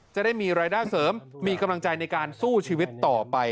จะได้มีรายได้เสริมมีกำลังใจในการสู้ชีวิตต่อไป